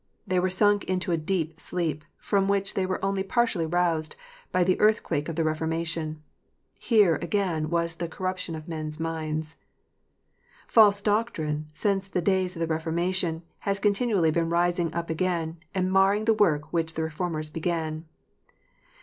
They were sunk into a deep sleep, from which they were only partially roused by the earthquake of the Re formation. Here, again, was the " corruption of men s minds." (c) False doctrine, since the days of the Reformation, has continually been rising up again, and marring the work which the Reformers began.